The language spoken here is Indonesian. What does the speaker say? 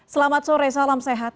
selamat sore salam sehat